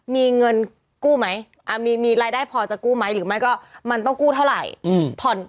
มีเงินกู้ไหมมีรายได้พอจะกู้ไหมหรือไม่ก็มันต้องกู้เท่าไหร่